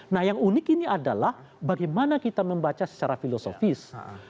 nah yang unik ini adalah bagaimana kita membaca secara filosofis